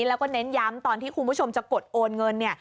แล้วก็เน้นย้ำตอนที่คุณผู้ชมจะกดโอนเงินเนี่ย